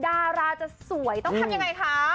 ดาราจะสวยต้องทำยังไงคะ